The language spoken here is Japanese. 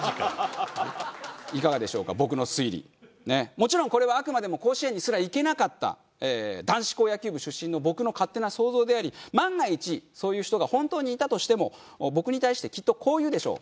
もちろんこれはあくまでも甲子園にすら行けなかった男子校野球部出身の僕の勝手な想像であり万が一そういう人が本当にいたとしても僕に対してきっとこう言うでしょう。